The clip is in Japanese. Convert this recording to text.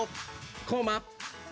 コマ。